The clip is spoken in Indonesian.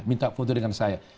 minta foto dengan saya